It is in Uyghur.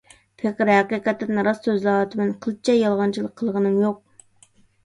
پېقىر ھەقىقەتەن راست سۆزلەۋاتىمەن، قىلچە يالغانچىلىق قىلغىنىم يوق.